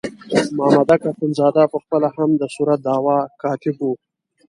مامدک اخندزاده په خپله هم د صورت دعوا کاتب وو.